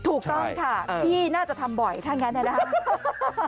ถูกต้องค่ะพี่น่าจะทำบ่อยถ้างั้นนะครับ